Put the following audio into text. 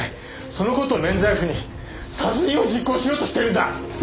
その事を免罪符に殺人を実行しようとしてるんだ！